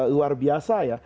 luar biasa ya